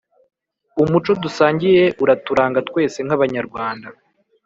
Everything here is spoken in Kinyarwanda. Umuco dusangiye uraturanga twese nkabanyarwanda